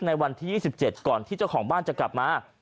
ในวันที่๒๗ก่อนที่เจ้าของบ้านจะกลับมา